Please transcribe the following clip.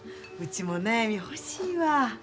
うちも悩み欲しいわ。